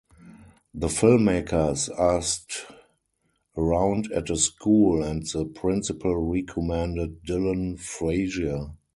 The filmmakers asked around at a school and the principal recommended Dillon Freasier.